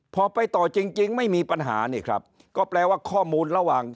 พอไปต่อจริงจริงไม่มีปัญหานี่ครับก็แปลว่าข้อมูลระหว่าง